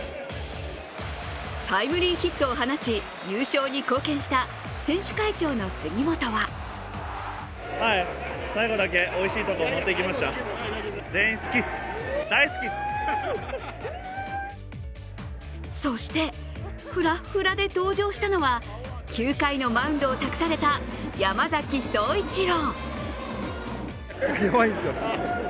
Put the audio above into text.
タイムリーヒットを放ち優勝に貢献した選手会長の杉本はそして、ふらっふらで登場したのは９回のマウンドを託された山崎颯一郎。